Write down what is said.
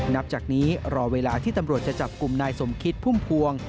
นับจากนี้รอเวลาที่ตำรวจจะจับกลุ่มนายสมคิดพุ่มพวง